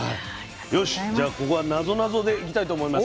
よしじゃあここはなぞなぞでいきたいと思います。